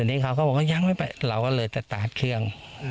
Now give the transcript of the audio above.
นี่เขาก็บอกว่ายังไม่ไปเราก็เลยสตาร์ทเครื่อง